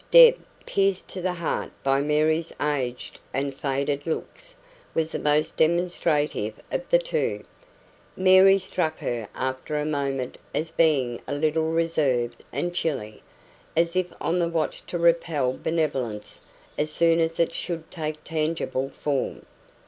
Deb, pierced to the heart by Mary's aged and faded looks, was the most demonstrative of the two; Mary struck her after a moment as being a little reserved and chilly as if on the watch to repel benevolence as soon as it should take tangible form.